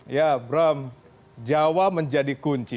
ya bram jawa menjadi kunci